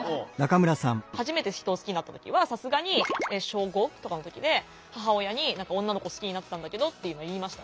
初めて人を好きになった時はさすがに小５とかの時で母親に「女の子を好きになったんだけど」っていうのを言いました。